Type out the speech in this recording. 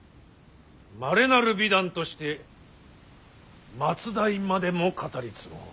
まれなる美談として末代までも語り継ごう。